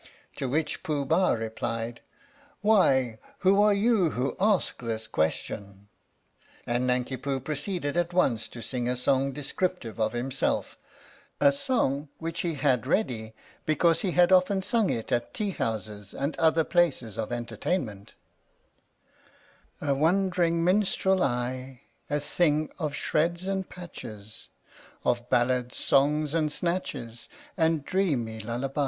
To which Pooh Bah replied : Why who are you who ask this question? And Nanki Poo proceeded at once to sing a song descriptive of himself a song which he had ready because he had often sung it at tea houses and other places of entertainment: A Wandering Minstrel I, A thing of shreds and patches, Of ballads, songs and snatches And dreamy lullaby.